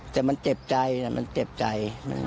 แต่มันเจ็บใจนะมันเจ็บใจ